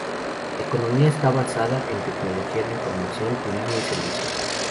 La economía está basada en Tecnología de Información, turismo y servicios.